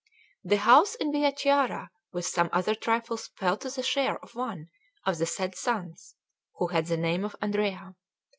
The house in Via Chiara with some other trifles fell to the share of one of the said sons, who had the name of Andrea.